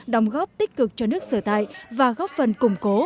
đóng góp tích cực cho nước sở tại và góp phần củng cố